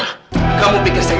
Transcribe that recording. jangan morpok dengan kalian